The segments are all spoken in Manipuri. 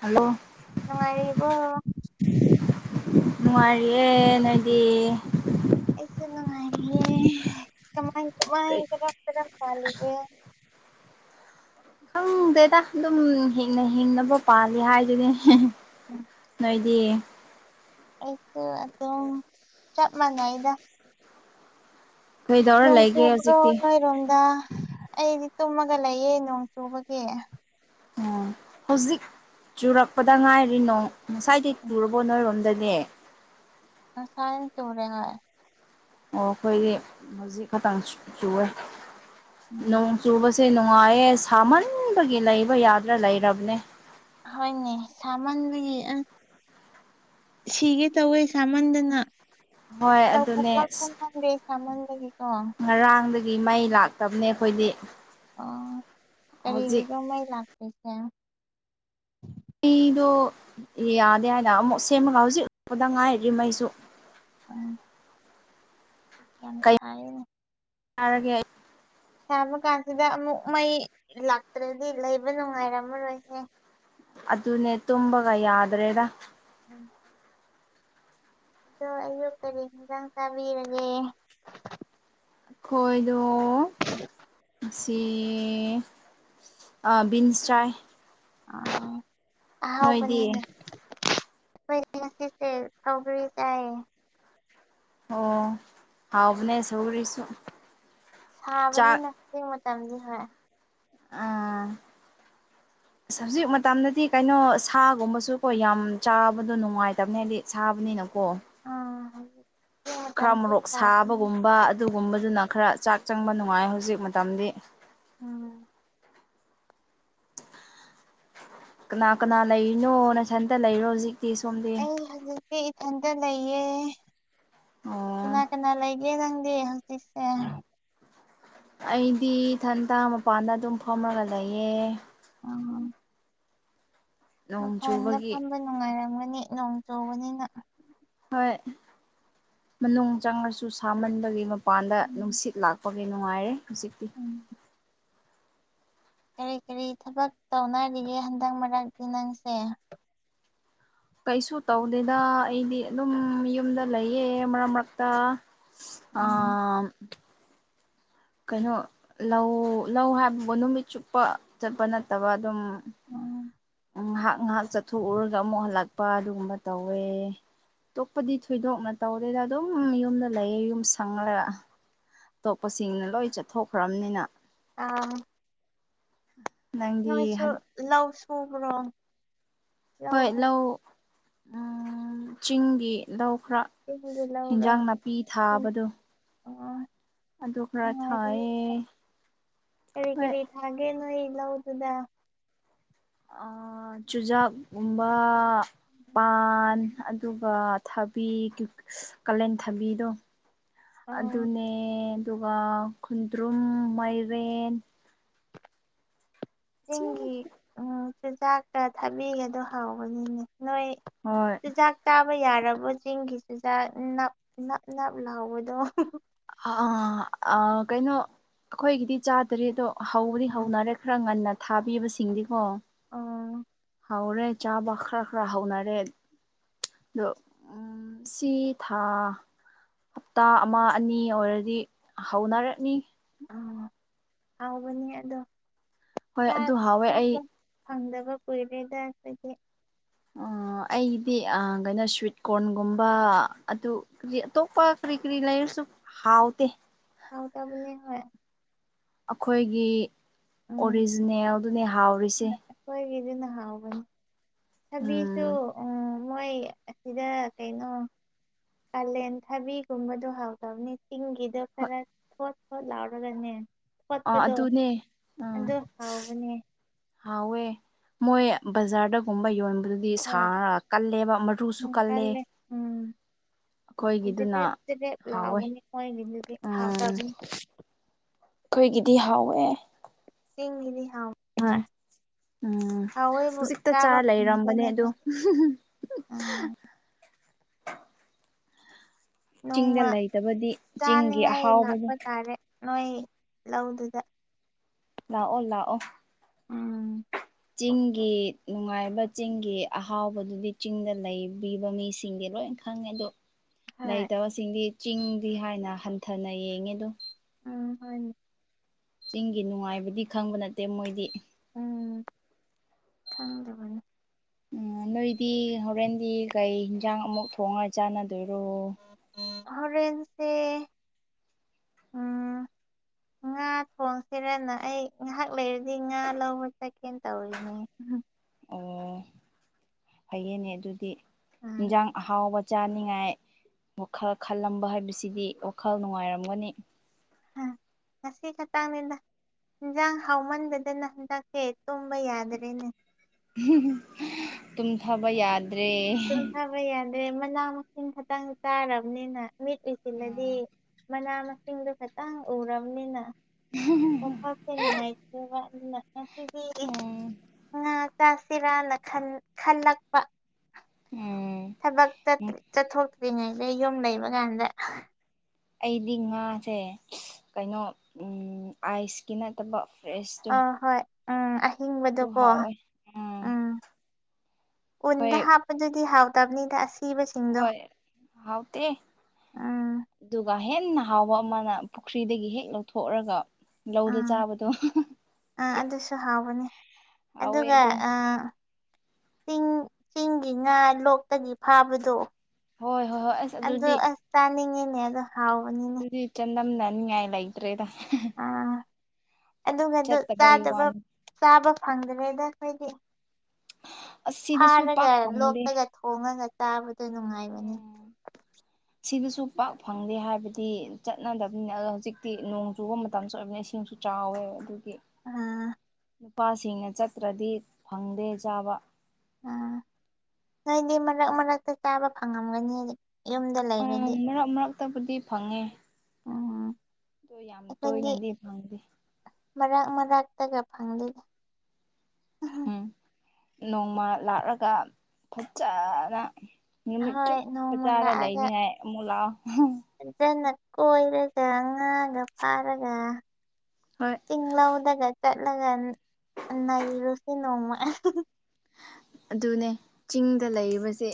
ꯍꯜꯂꯣ꯫ ꯅꯨꯡꯉꯥꯏꯔꯤꯕꯣ꯫ ꯅꯨꯉꯥꯢꯔꯤꯌꯦ ꯅꯗꯤ꯫ ꯑꯩꯁꯨ ꯅꯨꯉꯥꯏꯔꯤꯌꯦ ꯀꯃꯥꯏ ꯀꯃꯥꯏ ꯀꯩ ꯀꯔꯝ ꯀꯔꯝ ꯄꯥꯟꯂꯤꯒꯦ꯫ ꯈꯪꯗꯦꯗ ꯑꯗꯨꯝ ꯍꯤꯡꯅ ꯍꯤꯡꯅꯕ ꯄꯥꯜꯂꯤ ꯍꯥꯏꯗꯨꯅꯦ ꯫ [unintelligible] ꯅꯣꯏꯗꯤ꯫ ꯑꯩꯁꯨ ꯑꯗꯨꯝ ꯆꯞ ꯃꯥꯟꯅꯩꯗ꯫ ꯀꯩꯗꯧꯔ ꯅꯣꯡ ꯂꯩꯒꯦ ꯆꯨꯕ꯭ꯔꯣ ꯍꯧꯖꯤꯛꯇꯤ ꯅꯣꯏꯔꯣꯝꯗ ꯑꯩꯗꯤ ꯇꯨꯝꯃꯒ ꯂꯩꯌꯦ ꯅꯣꯡ ꯆꯨꯕꯒꯤ꯫ ꯑꯣ ꯍꯧꯖꯤꯛ ꯆꯨꯔꯛꯄꯗ ꯉꯥꯏꯔꯤ ꯅꯣꯡ ꯉꯁꯥꯏꯒꯩ ꯆꯨꯔꯕꯣ ꯅꯣꯏꯔꯣꯝꯗꯗꯤ꯫ ꯉꯁꯥꯏꯅ ꯆꯨꯔꯦ ꯍꯣꯏ꯫ ꯑꯣ ꯈꯣꯏꯗꯤ ꯍꯧꯖꯤꯛ ꯈꯇꯪ ꯆꯨꯋꯦ ꯅꯣꯡ ꯆꯨꯕꯁꯦ ꯅꯨꯡꯉꯥꯏꯌꯦ ꯁꯥꯃꯟꯕꯒꯤ ꯂꯩꯕ ꯌꯥꯗ꯭ꯔꯥ ꯂꯩꯔꯕꯅꯦ꯫ ꯍꯣꯏꯅꯦ ꯁꯥꯃꯟꯕꯒꯤ ꯑ꯫ ꯁꯤꯒꯦ ꯇꯧꯋꯦ ꯁꯥꯃꯟꯗꯅ ꯍꯣꯏ ꯇꯧꯐꯝ ꯑꯗꯨꯅꯦ ꯂꯥꯛꯐꯝ ꯑꯁ ꯈꯪꯗꯦ꯫ ꯁꯥꯃꯟꯕꯒꯤꯀꯣ꯫ ꯉꯔꯥꯡꯗꯒꯤ ꯃꯩ ꯂꯥꯛꯇꯕꯅꯦ ꯈꯣꯏꯗꯤ꯫ ꯑꯣ ꯀꯔꯤꯒꯤꯅꯣ ꯃꯩ ꯂꯥꯛꯇꯔꯤꯁꯦ ꯃꯩꯗꯣ ꯌꯥꯗꯦ ꯍꯥꯏꯅ ꯑꯃꯨꯛ ꯁꯦꯝꯃꯒ ꯍꯧꯖꯤꯛ ꯂꯥꯛꯄꯗ ꯉꯥꯏꯔꯤ ꯃꯩꯁꯨ ꯎꯝ ꯌꯥꯝꯅ ꯁꯥꯏꯌꯦ ꯌꯥꯔꯒꯦ ꯑꯩ ꯁꯥꯕ ꯀꯥꯟꯁꯤꯗ ꯑꯃꯨꯛ ꯃꯩ ꯂꯥꯛꯇ꯭ꯔꯗꯤ ꯂꯩꯕ ꯅꯨꯡꯉꯥꯏꯔꯝꯃꯔꯣꯏꯅꯦ ꯑꯗꯨꯅꯦ ꯇꯨꯝꯕꯒ ꯌꯥꯗ꯭ꯔꯦꯗ ꯎꯝ ꯑꯗꯣ ꯑꯌꯨꯛ ꯀꯔꯤ ꯍꯤꯟꯖꯥꯡ ꯆꯥꯕꯤꯔꯒꯦ ꯑꯩꯈꯣꯏꯗꯣ [unintelligible] ꯁꯤ ꯑ‌ ꯕꯤꯟꯁ ꯆꯥꯏ ꯑ ꯅꯣꯏꯗꯤ ꯍꯥꯎꯕꯅꯤꯅꯦ ꯑꯩꯈꯣꯏ ꯉꯁꯤꯁꯦ ꯁꯧꯒꯔꯤ ꯆꯥꯏꯌꯦ ꯑꯣ ꯍꯥꯎꯕꯅꯦ ꯁꯧꯒꯔꯤꯁꯨ ꯁꯥꯕꯅꯤꯅ ꯍꯧꯖꯤꯛ ꯃꯇꯝꯗꯤ ꯍꯣꯏ ꯎꯝ ꯁꯥꯞꯖꯤꯛ ꯃꯇꯝꯗꯗꯤ ꯀꯩꯅꯣ ꯁꯥꯒꯨꯝꯕꯁꯨꯀꯣ ꯌꯥꯝ ꯆꯥꯕꯗꯣ ꯅꯨꯡꯉꯥꯏꯇꯕꯅꯦ ꯍꯥꯏꯗꯤ ꯁꯥꯕꯅꯤꯅꯀꯣ ꯎꯝ ꯍꯧꯖꯤꯛ ꯍꯧꯖꯤꯛ ꯈꯔ ꯃꯇꯝꯁꯦ ꯃꯣꯔꯣꯛ ꯁꯥꯕꯅꯤ ꯁꯥꯕꯒꯨꯝꯕ ꯑꯗꯨꯒꯨꯝꯕꯗꯨꯅ ꯈꯔ ꯆꯥꯛ ꯆꯪꯕ ꯅꯨꯡꯉꯥꯏ ꯍꯧꯖꯤꯛ ꯃꯇꯝꯗꯤ ꯎꯝ ꯀꯅꯥ ꯀꯅꯥ ꯂꯩꯔꯤꯅꯣ ꯅꯊꯟꯇ ꯂꯩꯔꯣ ꯍꯧꯖꯤꯛ ꯑꯩ ꯍꯧꯖꯤꯛꯇꯤ ꯏꯊꯟꯇ ꯂꯩꯌꯦ ꯀꯅꯥ ꯑꯣ ꯀꯅꯥ ꯂꯩꯒꯦ ꯅꯪꯗꯤ ꯍꯧꯖꯤꯛꯁꯦ ꯑꯩꯗꯤ ꯏꯊꯟꯇꯥꯥ ꯃꯄꯥꯟꯗ ꯑꯗꯨꯝ ꯐꯝꯃꯒ ꯂꯩꯌꯦ ꯎꯝ ꯅꯣꯡ ꯃꯄꯥꯟꯗ ꯆꯨꯕꯒꯤ ꯐꯝꯕ ꯅꯨꯡꯉꯥꯏꯔꯝꯒꯅꯤ ꯅꯣꯡ ꯆꯨꯕꯅꯤꯅ ꯍꯣꯏ ꯃꯅꯨꯡ ꯆꯪꯉꯁꯨ ꯁꯥꯃꯟꯕꯒꯤ ꯃꯄꯥꯟꯗ ꯎꯝ ꯅꯨꯡꯁꯤꯠ ꯂꯥꯛ ꯄꯒꯤ ꯅꯨꯡꯉꯥꯏꯔꯦ ꯍꯧꯖꯤꯛꯇꯤ ꯎꯝ ꯀꯔꯤ ꯀꯔꯤ ꯊꯕꯛ ꯇꯧꯅꯔꯤꯒꯦ ꯍꯟꯗꯛ ꯃꯔꯛꯇꯤ ꯅꯪꯁꯦ ꯀꯩꯁꯨ ꯇꯧꯗꯦꯗ ꯑꯩꯗꯤ ꯑꯗꯨꯝ ꯌꯨꯝꯗ ꯂꯩꯌꯦ ꯃꯔꯛ ꯃꯔꯛꯇ ꯎꯝ ꯑꯥ ꯀꯩꯅꯣ ꯂꯧ ꯂꯧ ꯍꯥꯏꯕꯕꯨ ꯅꯨꯃꯤꯠ ꯆꯨꯞꯄ ꯆꯠꯄ ꯅꯠꯇꯕ ꯑꯗꯨꯝ ꯎꯝ ꯉꯥꯏꯍꯥꯛ ꯉꯥꯏꯍꯥꯛ ꯆꯠꯊꯣꯛꯎꯔꯒ ꯑꯃꯨꯛ ꯍꯜꯂꯛꯄ ꯑꯗꯨꯒꯨꯝꯕ ꯇꯧꯋꯦ ꯑꯇꯣꯞꯄꯗꯤ ꯊꯣꯏꯗꯣꯛꯅ ꯇꯧꯗꯦꯗ ꯑꯗꯨꯝ ꯌꯨꯝꯗ ꯂꯩꯌꯦ ꯌꯨꯝ ꯁꯪꯉꯒ ꯑꯇꯣꯞꯄꯁꯤꯡꯅ ꯂꯣꯏ ꯆꯠꯊꯣꯛꯈ꯭ꯔꯕꯅꯤꯅ ꯑꯥ [inaudible] ꯅꯣꯏꯁꯨ ꯂꯧ ꯁꯨꯕ꯭ꯔꯣ ꯍꯣꯏ ꯂꯧ ꯎꯝ ꯆꯤꯡꯒꯤ ꯂꯧ ꯈꯔ ꯆꯤꯡꯒꯤ ꯂꯧꯔꯣ ꯍꯤꯟꯖꯥꯡ ꯅꯥꯄꯤ ꯊꯥꯕꯗꯣ ꯑꯣ ꯑꯗꯨ ꯈꯔ ꯅꯨꯡꯉꯥꯏꯕꯅꯤꯅꯦ ꯊꯥꯏꯌꯦ ꯀꯔꯤ ꯍꯣꯏ ꯀꯔꯤ ꯍꯥꯏꯒꯦ ꯅꯣꯏ ꯂꯧꯗꯨꯗꯥ ꯑ ꯆꯨꯖꯥꯛꯀꯨꯝꯕ ꯄꯥꯟ ꯑꯗꯨꯒ ꯊꯕꯤ ꯀꯨꯀꯨꯁ ꯀꯥꯂꯦꯟ ꯊꯥꯕꯤꯗꯣ ꯑꯣ ꯑꯗꯨꯅꯦ ꯑꯗꯨꯒ ꯈꯨꯨꯟꯗ꯭ꯔꯨꯝ ꯃꯥꯏꯔꯦꯟ ꯆꯤꯡ ꯎ ꯆꯨꯖꯥꯛꯇ ꯊꯥꯕꯤꯒꯗꯣ ꯍꯥꯎꯕꯅꯤꯅꯦ ꯅꯣꯏ ꯍꯣꯏ ꯆꯨꯖꯥꯛ ꯆꯥꯕ ꯌꯥꯔꯕꯣ ꯆꯤꯡꯒꯤ ꯆꯨꯖꯥꯛ ꯅꯞ ꯅꯞ ꯅꯞ ꯂꯥꯎꯕꯗꯣ ꯑ ꯑ ꯀꯩꯅꯣ ꯑꯈꯣꯏꯒꯤꯗꯤ ꯆꯥꯗꯔꯤ ꯑꯗꯣ ꯍꯧꯕꯗꯤ ꯍꯧꯅꯔꯦ ꯈꯔ ꯉꯟꯅ ꯊꯥꯕꯤꯕꯁꯤꯡꯗꯤꯀꯣ ꯑꯥ ꯍꯧꯔꯦ ꯆꯥꯕ ꯈꯔ ꯈꯔ ꯍꯧꯅꯔꯦ ꯑꯗꯣ ꯎ ꯁꯤ ꯊꯥ ꯍꯞꯇꯥ ꯑꯃ ꯑꯅꯤ ꯑꯣꯏꯔꯗꯤ ꯍꯧꯅꯔꯅꯤ ꯍꯥꯎꯕꯅꯤ ꯑꯗꯣ ꯍꯣꯏ ꯑꯗꯨ ꯆꯥꯠ ꯍꯥꯎꯋꯦ ꯑꯩ ꯆꯥꯕ ꯐꯪꯗꯕ ꯀꯨꯏꯔꯦꯗ ꯑꯈꯣꯏꯗꯤ ꯑ ꯑꯩꯒꯤꯗꯤ ꯑ ꯀꯩꯅꯣ ꯁ꯭ꯋꯤꯠ ꯀꯣꯔꯟꯒꯨꯝꯕ ꯑꯗꯨ ꯀꯔꯤ ꯑꯇꯣꯞꯄ ꯀꯔꯤ ꯀꯔꯤ ꯂꯩꯔꯁꯨ ꯍꯥꯎꯇꯦ ꯍꯥꯎꯇꯕꯅꯦ ꯍꯣꯏ ꯑꯈꯣꯏꯒꯤ ꯑꯣꯔꯤꯖꯤꯅꯦꯜꯗꯨꯅꯦ ꯍꯥꯎꯔꯤꯁꯦ ꯑꯩꯈꯣꯏꯒꯤꯗꯤꯅ ꯍꯥꯎꯕꯅꯤ ꯊꯕꯤꯁꯨ ꯎꯝ ꯎꯝ ꯃꯣꯏ ꯑꯁꯤꯗ ꯀꯩꯅꯣ ꯀꯥꯂꯦꯟ ꯊꯕꯤꯒꯨꯝꯕꯗꯣ ꯍꯥꯎꯇꯕꯅꯤ ꯏꯤꯡꯒꯤꯗꯣ ꯍꯣꯏ ꯈꯔ ꯊꯣꯠ ꯊꯣꯠ ꯂꯥꯎꯔꯒꯅꯦ ꯑ ꯊꯣꯠꯄꯗꯣ ꯑꯗꯨꯅꯦ ꯑ ꯑꯗꯨ ꯍꯥꯎꯕꯅꯦ ꯍꯥꯎꯋꯦ ꯃꯣꯏ ꯕꯖꯥꯔꯗꯒꯨꯝꯕ ꯌꯣꯟꯕꯗꯨ ꯗꯤ ꯍꯣꯏ ꯁꯥꯡꯉꯒ ꯀꯜꯂꯦꯕ ꯃꯔꯨꯁꯨ ꯀꯜꯂꯦ ꯎꯝ ꯑꯩꯈꯣꯏꯒꯤꯗꯨꯅ ꯖꯤꯕꯦꯠ ꯆꯤꯕꯦꯠ ꯍꯥꯎꯋꯦ ꯂꯥꯎꯕꯅꯤ ꯃꯣꯏꯒꯤꯗꯨꯗꯤ ꯍꯥꯎꯇꯕꯅꯤ ꯑꯈꯣꯏꯒꯤꯗꯤ ꯍꯥꯎꯋꯦ ꯆꯤꯡꯒꯤꯅꯤ ꯍꯥꯎ ꯍꯣꯏ ꯎꯝ ꯍꯥꯏꯋꯦꯕꯨ ꯍꯧꯖꯤꯛꯇ ꯆꯥꯕ ꯆꯥꯔ ꯂꯩꯔꯝꯕꯅꯦ ꯐꯪꯗꯦꯅꯦ ꯑꯗꯨ ꯑꯈꯣꯏ ꯑꯥ ꯆꯤꯡꯗ ꯅꯣꯡꯃ ꯂꯩꯇꯕꯗꯤ ꯆꯤꯡꯒꯤ ꯆꯥꯅꯤꯉꯥꯏ ꯑꯍꯥꯎꯕꯗꯨ ꯂꯥꯛꯄ ꯇꯥꯔꯦ ꯅꯣꯏ ꯂꯧꯗꯨꯗ ꯂꯥꯛꯑꯣ ꯂꯥꯛꯑꯣ ꯎꯝ ꯆꯤꯡꯒꯤ ꯅꯨꯡꯉꯥꯏꯕ ꯆꯤꯡꯒꯤ ꯑꯍꯥꯎꯕꯗꯨꯗꯤ ꯆꯤꯡꯗ ꯂꯩꯕꯤꯕ ꯃꯤꯁꯤꯡꯗꯤ ꯂꯣꯏ ꯈꯪꯉꯦ ꯑꯗꯣ ꯍꯣꯏ ꯂꯩꯇꯕꯁꯤꯡꯗꯤ ꯆꯤꯡꯗꯤ ꯍꯥꯏꯅ ꯍꯟꯊꯅ ꯌꯦꯡꯉꯦ ꯑꯗꯣ ꯎꯝ ꯍꯣꯏ ꯆꯤꯡꯒꯤ ꯅꯨꯡꯉꯥꯏꯕꯗꯤ ꯈꯪꯕ ꯅꯠꯇꯦ ꯃꯣꯏꯗꯤ ꯎꯝ ꯈꯪꯗꯕꯅꯤ ꯎ ꯅꯣꯏꯗꯤ ꯍꯣꯔꯦꯟꯗꯤ ꯀꯩ ꯍꯤꯟꯖꯥꯡ ꯑꯃꯨꯛ ꯊꯣꯡꯉꯒ ꯆꯥꯟꯅꯗꯣꯏꯔꯣ ꯍꯣꯔꯦꯟꯁꯦ ꯎꯝ ꯉꯥ ꯉꯥ ꯊꯣꯡꯁꯤꯔꯅ ꯑꯩ ꯉꯥꯏꯍꯥꯛ ꯂꯩꯔꯗꯤ ꯉꯥ ꯂꯧꯕ ꯆꯠꯀꯦꯅ ꯇꯧꯔꯤꯅꯦ ꯑꯣ ꯐꯩꯌꯦꯅꯦ ꯑꯗꯨꯗꯤ ꯎꯝ ꯏꯟꯖꯥꯡ ꯑꯍꯥꯎꯕ ꯆꯥꯅꯤꯡꯉꯥꯏ ꯋꯥꯈꯜ ꯈꯜꯂꯝꯕ ꯍꯥꯏꯕꯁꯤꯗꯤ ꯋꯥꯈꯜ ꯅꯨꯡꯉꯥꯏꯔꯝꯒꯅꯤ ꯎꯝ ꯉꯁꯤ ꯈꯠꯇꯥꯡꯅꯤꯗ ꯏꯟꯖꯥꯡ ꯍꯥꯎꯃꯟꯗꯗꯅ ꯍꯟꯗꯥꯛꯁꯦ ꯇꯨꯝꯕ ꯌꯥꯗ꯭ꯔꯦꯅꯦ ꯇꯨꯝꯊꯕ ꯌꯥꯗ꯭ꯔꯦ ꯍꯣꯏ ꯌꯥꯗ꯭ꯔꯦ ꯃꯅꯥ ꯃꯁꯤꯡ ꯈꯛꯇꯪ ꯆꯥꯔꯕꯅꯤꯅ ꯃꯤꯠ ꯎꯝ ꯎꯏꯁꯤꯜꯂꯗꯤ ꯃꯅꯥ ꯃꯁꯤꯡꯗꯨ ꯈꯇꯪ ꯎꯔꯕꯅꯤꯅ ꯃꯐꯝꯁꯦ ꯅꯨꯡꯉꯥꯏ [inaudible] ꯆꯥꯁꯤꯔꯥꯅ ꯈꯟ ꯈꯜꯂꯛꯄ ꯎꯝ ꯊꯕꯛ ꯆꯠ ꯎꯝ ꯆꯠꯊꯣꯛꯇ꯭ꯔꯤꯉꯩꯗ ꯌꯨꯝ ꯂꯩꯕ ꯀꯥꯟꯗ ꯑꯩꯗꯤ ꯉꯥꯁꯦ ꯀꯩꯅꯣ ꯎꯝ ꯑꯥꯏꯁꯀꯤ ꯅꯠꯇꯕ ꯐ꯭ꯔꯦꯁꯇꯨ ꯑꯥ ꯍꯣꯏ ꯎꯝ ꯑꯍꯤꯡꯕꯗꯣꯀꯣ ꯎꯝ ꯍꯣꯏ ꯎꯟꯗ ꯍꯥꯞ ꯄꯗꯨꯗꯤ ꯍꯥꯎꯇꯕꯅꯤꯗ ꯑꯁꯤꯕꯁꯤ ꯍꯣꯏ ꯍꯥꯎꯇꯦ ꯎꯝ ꯑꯗꯨꯒ ꯍꯦꯟꯅ ꯍꯥꯎꯕ ꯑꯃꯅ ꯄꯨꯈ꯭ꯔꯤꯗꯒꯤ ꯍꯦꯛ ꯂꯧꯊꯣꯛꯔꯒ ꯑꯥ ꯑꯥ ꯑꯗꯨꯁꯨ ꯍꯥꯎꯕꯅꯤ ꯍꯥꯎꯋꯦ ꯑꯗꯨꯒ ꯑꯗꯨꯝ ꯑ ꯆꯤꯡ ꯆꯤꯡꯒꯤ ꯉꯥ ꯂꯣꯛꯇꯒꯤ ꯐꯥꯕꯗꯣ ꯍꯣꯏ ꯍꯣꯏ ꯍꯣꯏ ꯑꯁ ꯑꯗꯨꯗꯤ ꯆꯥꯅꯤꯡꯉꯦꯅꯦ ꯑꯗꯣ ꯍꯥꯎꯕꯅꯤ ꯁꯤ ꯆꯥꯟꯗꯝꯅꯅꯤꯡꯉꯥꯏ ꯂꯩꯇ꯭ꯔꯦꯗ ꯑꯥ ꯑꯗꯨꯒꯗꯨ ꯆꯠꯇꯕꯩ ꯆꯥꯗꯕ ꯋꯥꯅꯤ ꯆꯥꯕ ꯐꯪꯗ꯭ꯔꯦꯗ ꯑꯩꯈꯣꯏꯒꯤ ꯑꯁ ꯁꯤꯗꯁꯨ ꯐꯥꯔꯒ ꯄꯥꯛ ꯐꯪꯗꯦ ꯂꯣꯛꯇꯒ ꯊꯣꯡꯉꯒ ꯆꯥꯕꯗꯣ ꯅꯨꯡꯉꯥꯏꯕꯅꯤ [unintelligible] ꯁꯤꯗꯁꯨ ꯄꯥꯛ ꯐꯪꯗꯦ ꯍꯥꯏꯕꯗꯤ ꯆꯠꯅꯗꯕꯅꯤꯅ ꯑꯗꯣ ꯍꯧꯖꯤꯛꯇꯤ ꯅꯣꯡ ꯆꯨꯕ ꯃꯇꯝꯁꯨ ꯑꯣꯏꯕꯅꯤꯅ ꯏꯁꯤꯡꯁꯨ ꯆꯥꯎꯋꯦ ꯑꯗꯨꯒꯤ ꯑꯥ ꯅꯨꯄꯥꯁꯤꯡꯅ ꯆꯠꯇ꯭ꯔꯗꯤ ꯐꯪꯗꯦ ꯆꯥꯕ ꯑꯥ ꯅꯣꯏꯗꯤ ꯃꯔꯛ ꯃꯔꯛꯇ ꯆꯥꯕ ꯐꯪꯉꯝꯒꯅꯤ ꯌꯨꯝꯗ ꯎꯝ ꯂꯩꯔꯗꯤ ꯃꯔꯛ ꯃꯔꯛꯇꯕꯨꯗꯤ ꯐꯪꯉꯦ ꯎꯝ ꯑꯗꯣ ꯌꯥꯝ ꯑꯩꯈꯣꯏꯗꯤ ꯇꯣꯏꯅꯗꯤ ꯐꯪꯗꯦ ꯃꯔꯛ ꯃꯔꯛꯇꯒ ꯐꯪꯗꯦꯗ ꯎꯝ ꯅꯣꯡꯃ ꯂꯥꯥꯛꯔꯒ ꯐꯖꯅ ꯅꯨꯃꯤꯠ ꯍꯣꯏ ꯆꯨꯞꯄ ꯅꯣꯡꯃ ꯆꯥꯔ ꯂꯥꯛꯑꯒ ꯂꯩꯅꯤꯡꯉꯥꯏ ꯑꯃꯨꯛ ꯂꯥꯛꯑꯣ ꯐꯖꯅ ꯀꯣꯏꯔꯒ ꯉꯥꯒ ꯐꯥꯔꯒ ꯍꯣꯏ ꯏꯪꯂꯧꯗꯒ ꯆꯠꯂꯒ ꯅꯩꯔꯨꯁꯤ ꯅꯣꯡꯃ ꯑꯗꯨꯅꯦ ꯆꯤꯡꯗ ꯂꯩꯕꯁꯦ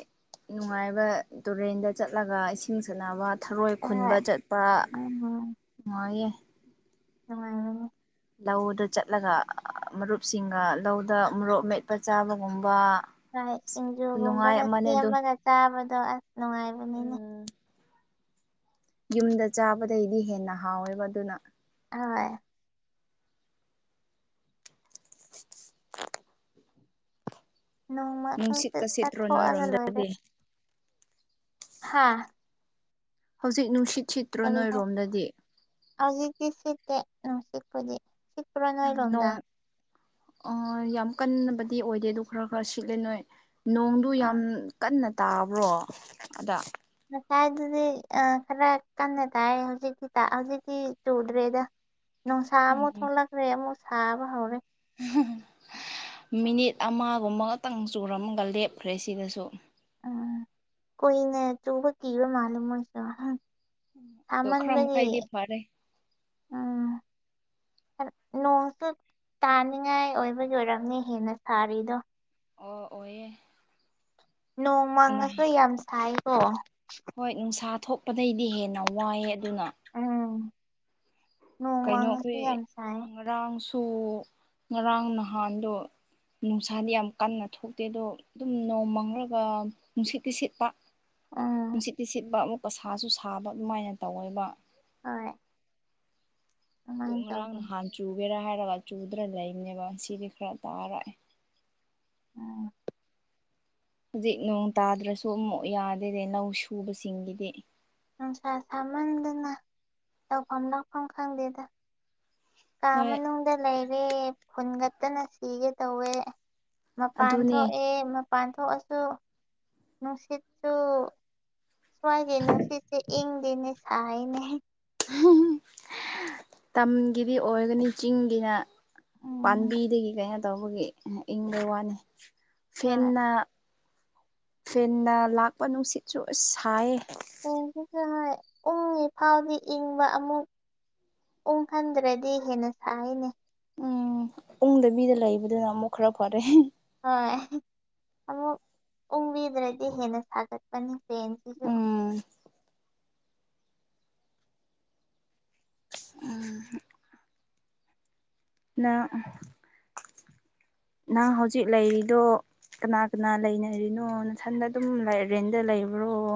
ꯅꯨꯡꯉꯥꯏꯕ ꯇꯨꯔꯦꯟꯗ ꯆꯠꯂꯒ ꯏꯁꯤꯡ ꯁꯥꯟꯅꯕ ꯊꯔꯣꯏ ꯈꯨꯟꯕ ꯍꯣꯏ ꯆꯠꯄ ꯅꯨꯡꯉꯥꯏꯌꯦ ꯅꯨꯉꯥꯏꯕꯅꯤ ꯂꯧꯗ ꯆꯠꯂꯒ ꯃꯔꯨꯞꯁꯤꯡꯒ ꯂꯧꯗ ꯃꯣꯔꯣꯛ ꯃꯦꯠꯄ ꯆꯥꯕꯒꯨꯝꯕ ꯍꯥꯏ ꯈꯨꯅꯨꯡꯉꯥꯏ ꯁꯤꯡꯖꯨꯒꯨꯝꯕꯒ ꯑꯃꯅꯦ ꯑꯗꯨ ꯁꯦꯝꯃꯒ ꯆꯥꯕꯗꯣ ꯑꯁ ꯅꯨꯡꯉꯥꯏꯕꯅꯤꯅꯦ ꯎꯝ ꯌꯨꯝꯗ ꯆꯥꯕꯗꯩꯗꯤ ꯍꯦꯟꯅ ꯍꯥꯎꯋꯦꯕ ꯑꯗꯨꯅ ꯑꯣꯏ ꯅꯣꯡꯃ [inaudible] ꯅꯨꯡꯁꯤꯠꯀ ꯁꯤꯠꯇ꯭ꯔꯣ ꯆꯥꯊꯣꯛꯑꯒ ꯂꯣꯏꯔꯦ ꯅꯣꯏꯔꯣꯝꯗꯗꯤ ꯍꯥꯥ ꯍꯧꯖꯤꯛ ꯅꯨꯡꯁꯤꯠ ꯁꯤꯠꯇ꯭ꯔꯣ ꯀꯔꯤ ꯍꯥꯏ ꯅꯣꯏꯔꯣꯝꯗꯗꯤ ꯍꯧꯖꯤꯛꯇꯤ ꯁꯤꯠꯇꯦ ꯅꯨꯡꯁꯤꯠꯄꯨꯗꯤ ꯁꯤꯠꯄ꯭ꯔꯥ ꯅꯣꯏꯔꯣꯝꯗ ꯑ ꯌꯥꯝ ꯀꯟꯅꯕꯗꯤ ꯑꯣꯏꯗꯦ ꯑꯗꯨ ꯈꯔ ꯈꯔ ꯁꯤꯠꯂꯦ ꯅꯣꯏ ꯅꯣꯡꯗꯨ ꯑꯥ ꯌꯥꯝ ꯀꯟꯅ ꯇꯥꯕ꯭ꯔꯣ ꯑꯗ ꯉꯁꯥꯏꯗꯨꯗꯤ ꯑꯥ ꯈꯔ ꯀꯟꯅ ꯇꯥꯏꯌꯦꯪ ꯍꯧꯖꯤꯛꯇꯤ ꯇꯥꯏꯌꯦ ꯍꯧꯖꯤꯛꯇꯤ ꯆꯨꯗ꯭ꯔꯦꯗ ꯅꯨꯡꯁꯥ ꯑꯃꯨꯛ ꯎꯝ ꯊꯣꯛꯂꯛꯈ꯭ꯔꯦ ꯑꯃꯨꯛ ꯁꯥꯕ ꯍꯧꯔꯦ ꯃꯤꯅꯤꯠ ꯑꯃꯒꯨꯝꯕꯒꯇꯪ ꯆꯨꯔꯝꯃꯒ ꯂꯦꯞꯈ꯭ꯔꯦ ꯁꯤꯗꯁꯨ ꯑꯪꯑ ꯀꯨꯏꯅ ꯆꯨꯕ ꯀꯤꯕ ꯃꯥꯜꯂꯦ ꯃꯣꯏꯖꯨ ꯗꯣ ꯈꯔꯃꯈꯩꯗꯤ ꯐꯔꯦ ꯑꯁ ꯅꯣꯡꯁꯨ ꯇꯥꯅꯤꯡꯉꯥꯏ ꯑꯣꯏꯕꯒꯤ ꯑꯣꯏꯔꯝꯅꯤ ꯍꯦꯟꯅ ꯁꯥꯔꯤꯗꯣ ꯑꯣ ꯑꯣꯏꯌꯦ ꯅꯣꯡ ꯃꯪꯉꯁꯨ ꯌꯥꯝ ꯁꯥꯏꯌꯦꯀꯣ ꯍꯣꯏ ꯅꯨꯡꯁꯥ ꯊꯣꯛꯄꯗꯩꯗꯤ ꯍꯦꯟꯅ ꯋꯥꯏꯑꯦ ꯑꯗꯨꯅ ꯎꯝ ꯅꯣꯡ ꯀꯩꯅꯣ ꯃꯪꯉꯁꯨ ꯑꯩꯈꯣꯏ ꯌꯥꯝ ꯁꯥꯏ ꯉꯔꯥꯡ ꯁꯨ ꯉꯔꯥꯡ ꯅꯍꯥꯟꯗꯣ ꯅꯨꯡꯁꯥꯗꯤ ꯌꯥꯝ ꯀꯟꯅ ꯊꯣꯛꯇꯦ ꯗꯣ ꯑꯗꯨꯝ ꯅꯣꯡ ꯃꯪꯂꯒ ꯅꯨꯡꯁꯤꯠꯇꯤ ꯁꯤꯠꯄ INAUDIBLE ꯅꯨꯡꯁꯤꯠꯇꯤ ꯁꯤꯠꯄ ꯑꯃꯨꯛꯀ ꯁꯥꯁꯨ ꯁꯥꯕ ꯑꯗꯨꯃꯥꯏꯅ ꯇꯧꯋꯦꯕ ꯍꯣꯏ ꯗꯣ ꯑꯗꯨꯃꯥꯏꯅ ꯉꯔꯥꯡ ꯇꯧꯕꯅꯤ ꯅꯍꯥꯟ ꯆꯨꯒꯦꯔꯥ ꯍꯥꯏꯔꯒ ꯆꯨꯗ꯭ꯔ ꯂꯩꯕꯅꯦꯕ ꯁꯤꯗꯤ ꯈꯔ ꯇꯥꯔꯛꯑꯦ ꯎꯪꯎꯪ ꯍꯧꯖꯤꯛ ꯅꯣꯡ ꯇꯥꯗ꯭ꯔꯁꯨ ꯑꯃꯨꯛ ꯌꯥꯗꯦꯗ ꯂꯧ ꯁꯨꯕꯁꯤꯡꯒꯤꯗꯤ ꯅꯨꯡꯁꯥ ꯁꯥꯃꯟꯗꯅ ꯇꯧꯐꯝ ꯂꯥꯛꯐꯝ ꯈꯪꯗꯦꯗ ꯀꯥ ꯍꯣꯏ ꯃꯅꯨꯡꯗ ꯂꯩꯔꯦ ꯐꯨꯟꯒꯠꯇꯅ ꯁꯤꯒꯦ ꯇꯧꯋꯦ ꯃꯄꯥꯟ ꯑꯗꯨꯅꯦ ꯊꯣꯛꯑꯦ ꯃꯄꯥꯟ ꯊꯣꯛꯑꯁꯨ ꯅꯨꯡꯁꯤꯠꯇꯨ ꯁ꯭ꯋꯥꯏꯒꯤ ꯅꯨꯡꯁꯤꯠꯇꯤ ꯏꯪꯗꯦꯅꯦ ꯁꯥꯏꯅꯦ ꯏꯍꯤ ꯍꯨꯡ ꯇꯝꯒꯤꯗꯤ ꯑꯣꯏꯒꯅꯤ ꯆꯤꯡꯒꯤꯔ ꯎꯝ ꯄꯥꯝꯕꯤꯗꯒꯤ ꯀꯩꯅꯣ ꯇꯧꯕꯒꯤ ꯏꯪꯕ ꯋꯥꯅꯤ ꯍꯣꯏ ꯐꯦꯟꯅ ꯐꯦꯟꯅ ꯂꯥꯛꯄ ꯅꯨꯡꯁꯤꯠꯁꯨ ꯑꯥꯁ ꯁꯥꯏꯌꯦ ꯐꯦꯟꯁꯤꯁꯨ ꯍꯣꯏ ꯎꯪꯉꯤ ꯐꯥꯎꯗꯤ ꯏꯪꯕ ꯑꯃꯨꯛ ꯎꯪ ꯍꯟꯗ꯭ꯔꯗꯤ ꯍꯦꯟꯅ ꯁꯥꯏꯑꯦꯅꯦ ꯎꯝ ꯎꯪꯗꯕꯤꯗ ꯂꯩꯕꯗꯨꯅ ꯑꯃꯨꯛ ꯈꯔ ꯐꯔꯦ ꯍꯤ ꯍꯣꯏ ꯑꯃꯨꯛ ꯎꯪꯕꯤꯗ꯭ꯔꯗꯤ ꯍꯦꯟꯅ ꯁꯥꯒꯠꯄꯅꯤ ꯐꯦꯟꯁꯤꯁꯨ ꯎꯝ ꯅꯥ ꯅꯪ ꯍꯧꯖꯤꯛ ꯂꯩꯔꯤꯗꯨ ꯀꯅꯥ ꯀꯅꯥ ꯂꯩꯅꯔꯤꯅꯣ ꯅꯊꯟꯗ ꯑꯗꯨꯝ ꯔꯦꯟꯗ ꯂꯩꯕ꯭ꯔꯣꯑꯣ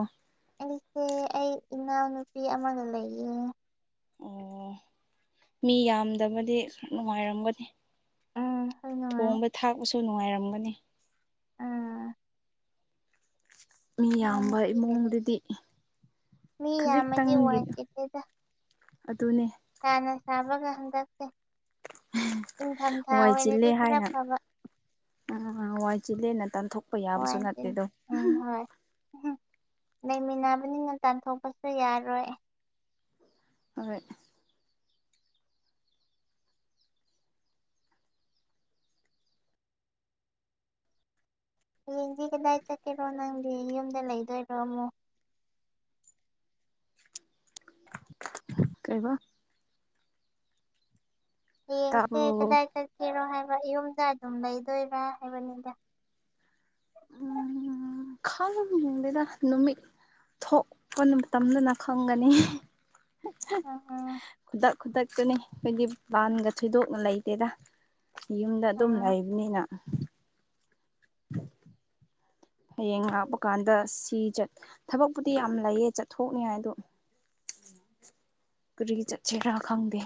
ꯑꯩꯁꯦ ꯑꯩ ꯏꯅꯥꯎꯅꯨꯄꯤ ꯑꯃꯒ ꯂꯩꯌꯦ ꯎꯪ ꯃꯤ ꯌꯥꯝꯗꯕꯗꯤ ꯅꯨꯡꯉꯥꯏꯔꯝꯒꯅꯤ ꯎꯝ ꯍꯣꯏ ꯅꯨꯡꯉꯥꯏ ꯊꯣꯡꯕ ꯊꯥꯛꯄꯁꯨ ꯅꯨꯡꯉꯥꯏꯔꯝꯒꯅꯤ ꯎꯝ ꯃꯤ ꯌꯥꯝꯕ ꯏꯅꯥꯎꯅꯨꯄꯤꯒ ꯂꯩ ꯏꯃꯨꯡꯗꯗꯤ ꯃꯤ ꯌꯥꯝꯃꯗꯤ ꯈꯖꯤꯛꯇꯪꯒꯤ ꯋꯥꯏ ꯆꯤꯜꯂꯤꯗ ꯑꯗꯨꯅꯤ ꯁꯥꯅ ꯁꯥꯕꯒ ꯍꯟꯗꯛꯁꯦ ꯏꯪꯊꯝꯊꯥ ꯋꯥꯏ ꯆꯤꯜꯂꯦ ꯑꯣꯏꯔꯗꯤ ꯈꯔ ꯍꯥꯏꯅ ꯐꯕ ꯎꯝ ꯋꯥꯏ ꯆꯤꯜꯂꯦꯅ ꯇꯥꯟꯊꯣꯛꯄ ꯌꯥꯕꯁꯨ ꯅꯠꯇꯦꯗꯣ ꯎꯍꯨꯡ ꯂꯩꯃꯤꯟꯅꯕꯅꯤꯅ ꯇꯥꯟꯊꯣꯛꯄꯁꯨ ꯌꯥꯔꯣꯏ ꯑꯍꯣꯏ ꯍꯌꯦꯡꯗꯤ ꯀꯗꯥꯏ ꯆꯠꯀꯦꯔꯣ ꯅꯪꯗꯤ ꯌꯨꯝꯗ ꯂꯩꯗꯣꯏꯔꯣ ꯑꯃꯨꯛ ꯀꯩꯕ ꯇꯥꯛꯑꯣ ꯀꯩꯅꯣ ꯍꯥꯏꯕ ꯌꯨꯝꯗ ꯑꯗꯨꯝ ꯂꯩꯗꯣꯏꯔꯥ ꯍꯥꯏꯕꯅꯤꯗ ꯈꯪꯗꯦꯗ ꯅꯨꯃꯤꯠ ꯊꯣꯛꯄ ꯃꯇꯝꯗꯅ ꯈꯪꯒꯅꯤ ꯎꯝ ꯎꯝ ꯈꯨꯗꯛ ꯈꯨꯗꯛꯇꯅꯤ ꯑꯩꯈꯣꯏꯗꯤ ꯄ꯭ꯂꯥꯟꯒ ꯊꯣꯏꯗꯣꯛꯅ ꯂꯩꯇꯦꯗ ꯌꯨꯝꯗ ꯑꯗꯨꯝ ꯎꯝ ꯂꯩꯕꯅꯤꯅ [inaudible] ꯍꯌꯦꯡ ꯉꯥꯛꯄ ꯀꯥꯟꯗ ꯁꯤ ꯖꯠ ꯊꯕꯛꯄꯨꯗꯤ ꯌꯥꯝ ꯂꯩꯌꯦ ꯆꯠꯊꯣꯛꯅꯤꯉꯥꯏꯗꯣ ꯀꯔꯤ ꯆꯠꯁꯤꯔꯥ ꯈꯪꯗꯦ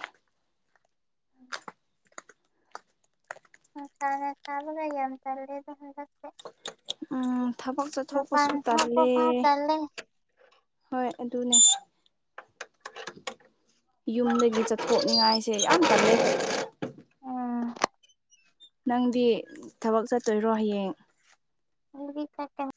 ꯅꯨꯁꯅꯥ ꯁꯥꯕꯒ ꯌꯥꯝ ꯆꯜꯂꯦꯗꯣ ꯍꯟꯗꯛꯁꯦ ꯎꯝ ꯊꯕꯛ ꯃꯄꯥꯟ ꯆꯠꯊꯣꯛꯄꯁꯨ ꯊꯣꯛꯄ ꯇꯜꯂꯦ ꯐꯥꯎ ꯇꯜꯂꯦ ꯍꯣꯏ ꯑꯗꯨꯅꯦ ꯌꯨꯝꯗꯒꯤ ꯆꯠꯊꯣꯛꯅꯤꯡꯉꯥꯏꯁꯦ ꯌꯥꯝ ꯇꯜꯂꯦ ꯎꯝ ꯅꯪꯗꯤ ꯊꯕꯛ ꯆꯠꯇꯣꯏꯔꯣ ꯍꯌꯦꯡ ꯑꯩꯗꯤ ꯆꯠ